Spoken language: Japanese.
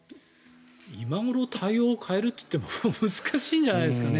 今ごろ対応を変えるといっても難しいんじゃないんですかね。